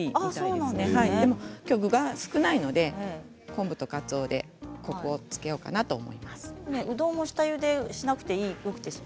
でも、きょうは具が少ないので昆布とかつおでコクをつけようかなと思います。